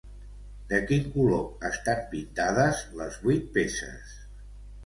De quin color estan pintades les vuit peces?